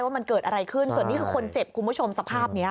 ว่ามันเกิดอะไรขึ้นส่วนนี้คือคนเจ็บคุณผู้ชมสภาพนี้